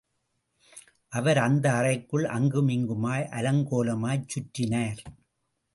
அவர் அந்த அறைக்குள் அங்குமிங்குமாய் அலங்கோலமாய்ச் சுற்றினார்.